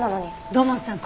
土門さん